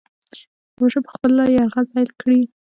زمانشاه به خپل یرغل پیل کړي.